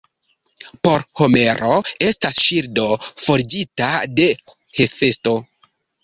Por Homero, estas ŝildo forĝita de Hefesto.